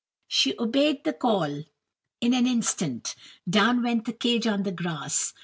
She obeyed the call in an instant; down went the cage on the grass.